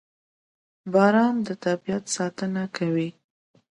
• باران د طبیعت ساتنه کوي.